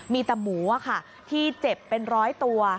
มีแต่หมูที่เจ็บเป็นร้อยตัว